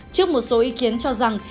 trước một số ý kiến cho rằng